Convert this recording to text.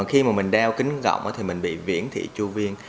khi mình đeo kính gọng mình bị viễn thị chu viên